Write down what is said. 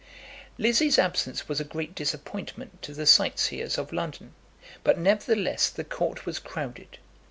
Lizzie's absence was a great disappointment to the sight seers of London, but nevertheless the court was crowded.